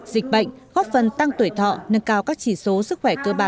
dịch bệnh góp phần tăng tuổi thọ nâng cao các chỉ số sức khỏe cơ bản của người dân